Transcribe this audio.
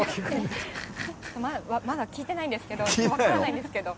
まだ聞いてないんですけど、分からないんですけど。